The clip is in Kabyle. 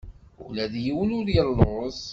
Ula d yiwen ur yelluẓ.